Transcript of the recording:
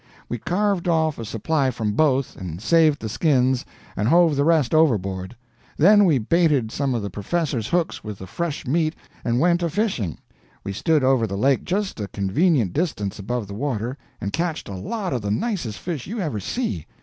We carved off a supply from both, and saved the skins, and hove the rest overboard. Then we baited some of the professor's hooks with the fresh meat and went a fishing. We stood over the lake just a convenient distance above the water, and catched a lot of the nicest fish you ever see.